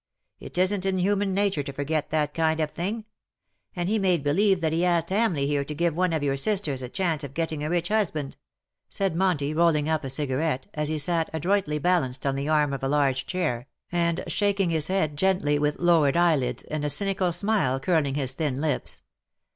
It isn't in human nature to forget that kind of thing. And *^DUST TO DUST." Q7 he made believe that he asked Hamleigh here to give one of your sisters a chance of getting a rich husband/^ said Monty^ rolling up a cigarette, as he sat adroitly balanced on the arm of a large chair, and shaking his head gently, with lowered eyelids, and a cynical smile curling his thin lips.